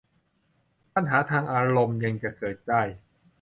ปัญหาทางอารมณ์ยังจะเกิดได้